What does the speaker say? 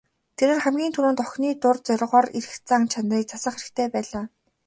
Тэрээр хамгийн түрүүнд охины дур зоргоороо эрх зан чанарыг засах хэрэгтэй байлаа.